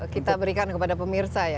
kita berikan kepada pemirsa ya